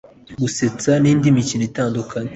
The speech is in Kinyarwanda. gusetsa n’indi mikino itandukanye